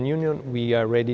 như ở nhật bản